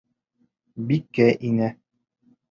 Бикә инә.